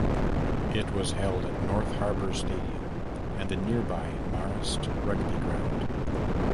It was held at North Harbour Stadium and the nearby Marist Rugby ground.